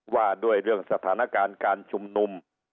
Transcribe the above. ว่าด้วยเรื่องสถานการณ์การชุมนุม